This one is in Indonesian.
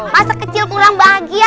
masa kecil kurang bahagia